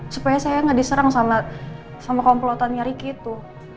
supaya saya gak diserang sama komplotannya riki itu